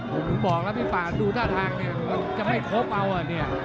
ผมถึงบอกแล้วพี่ป่าดูท่าทางเนี่ยมันจะไม่ครบเอาอ่ะเนี่ย